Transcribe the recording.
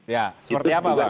ya seperti apa pak